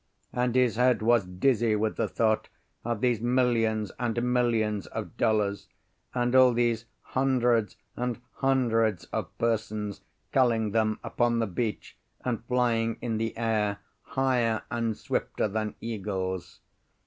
And his head was dizzy with the thought of these millions and millions of dollars, and all these hundreds and hundreds of persons culling them upon the beach and flying in the air higher and swifter than eagles.